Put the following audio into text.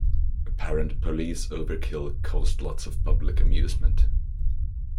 Apparent police overkill caused lots of public amusement.